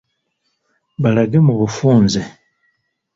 Balage mu bufunze.